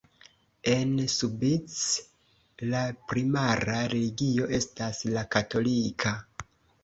En Subic la primara religio estas la katolika.